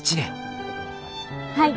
はい。